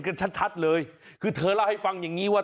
กันชัดชัดเลยคือเธอเล่าให้ฟังอย่างงี้ว่า